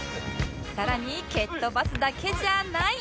さらに蹴っとばすだけじゃない